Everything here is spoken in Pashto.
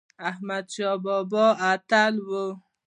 احمد شاه بابا اتل و